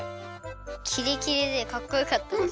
キレキレでかっこよかったです。